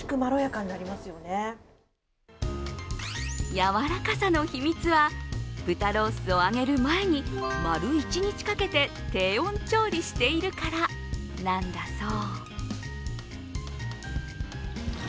やわらかさの秘密は豚ロースを揚げる前に丸一日かけて低温調理しているからなんだそう。